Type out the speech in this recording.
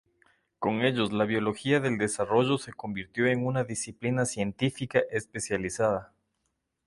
Con ellos, la biología del desarrollo se convirtió en una disciplina científica especializada.